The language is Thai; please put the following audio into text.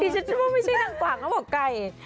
ทีชันพูดไม่ใช่นางกวากมันก็บอกไก่